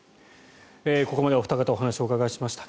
ここまでお二方にお話をお伺いしました。